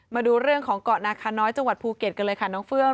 มาดูเรื่องของเกาะนาคาน้อยจังหวัดภูเก็ตกันเลยค่ะน้องเฟื่อง